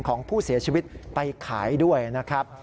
ของผู้เสียชีวิตไปขายด้วยนะครับ